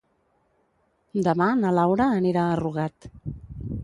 Demà na Laura anirà a Rugat.